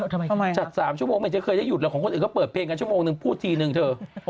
ทำไมจัด๓ชั่วโมงไม่เคยได้หยุดหรอกของคนอื่นก็เปิดเพลงกันชั่วโมงนึงพูดทีนึงเธอ